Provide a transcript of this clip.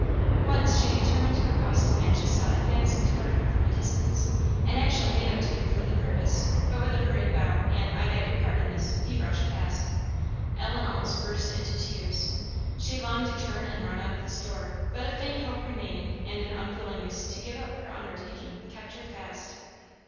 Once she determined to accost a man she saw advancing toward her from a distance, and actually made up to him for the purpose, but with a hurried bow, and "I beg your pardon, Miss!" he brushed past. Ellen almost burst into tears. She longed to turn and run out of the store, but a faint hope remaining, and an unwillingness to give up her undertaking, kept her fast.